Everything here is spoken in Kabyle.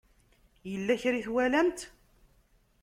Yella kra i twalamt?